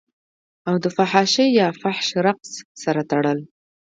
او دفحاشۍ يا فحش رقص سره تړل